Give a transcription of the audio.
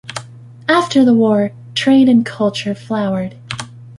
After the war, trade and culture flowered.